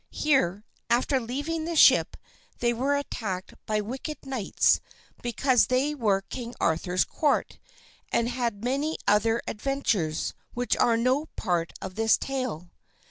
Here, after leaving the ship, they were attacked by wicked knights because they were of King Arthur's court, and had many other adventures, which are no part of this tale.